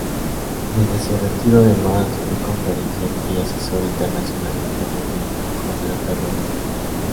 Desde su retiro, además, fue conferenciante y asesor internacional en temas de contraterrorismo.